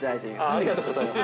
◆ありがとうございます。